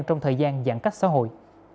trong thời gian giãn cách xã hội